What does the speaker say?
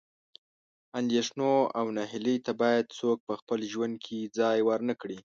اندېښنو او نهیلۍ ته باید څوک په خپل ژوند کې ځای ورنه کړي.